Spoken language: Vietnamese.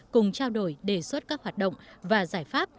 cùng trao đổi đề xuất các hoạt động và giải pháp